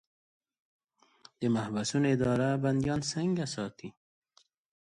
د محبسونو اداره بندیان څنګه ساتي؟